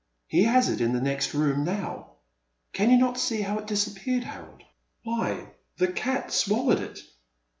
He has it in the next room now. Can you not see how it disappeared, Harold? Why, the cat swallowed it